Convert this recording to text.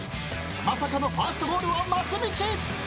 まさかのファーストゴールは松道。